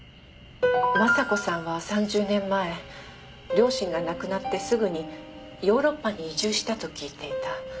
雅子さんは３０年前両親が亡くなってすぐにヨーロッパに移住したと聞いていた。